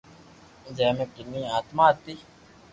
جي مي ڪني آتما ھتي